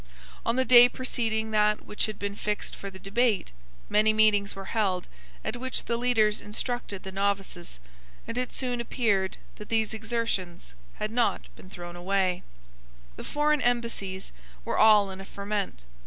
On the day preceding that which had been fixed for the debate, many meetings were held at which the leaders instructed the novices; and it soon appeared that these exertions had not been thrown away. The foreign embassies were all in a ferment.